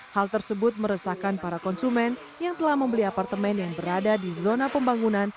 hal tersebut meresahkan para konsumen yang telah membeli apartemen yang berada di zona pembangunan